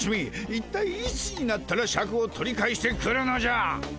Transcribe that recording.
一体いつになったらシャクを取り返してくるのじゃ。